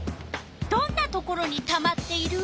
どんなところにたまっている？